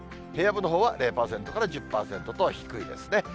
平野部のほうは０％から１０％と低いですね。